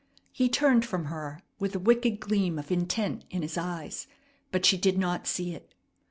He turned from her with a wicked gleam of intent in his eyes, but she did not see it.